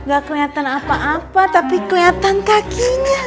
gak keliatan apa apa tapi keliatan kakinya